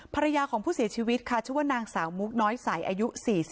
ภรรยาของผู้เสียชีวิตค่ะชื่อว่านางสาวมุกน้อยใสอายุ๔๒